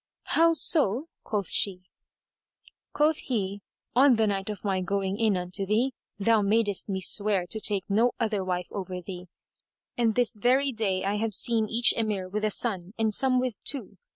"How so?" quoth she. Quoth he, "On the night of my going in unto thee, thou madest me swear to take no other wife over thee, and this very day I have seen each Emir with a son and some with two.